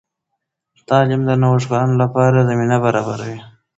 تعلیم د نوښتګرانو لپاره زمینه برابروي.